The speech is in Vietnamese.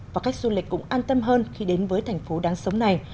và khách du lịch cũng an tâm hơn khi đến với thành phố đáng sống này